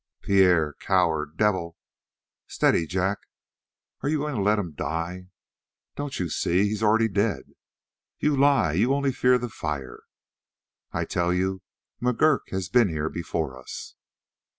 "Pierre, coward, devil!" "Steady, Jack!" "Are you going to let him die?" "Don't you see? He's already dead." "You lie. You only fear the fire!" "I tell you, McGurk has been here before us."